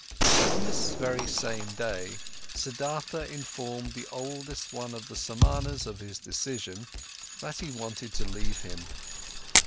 On this very same day, Siddhartha informed the oldest one of the Samanas of his decision, that he wanted to leave him.